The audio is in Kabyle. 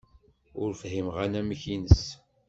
Ur fhimeɣ anamek-nnes.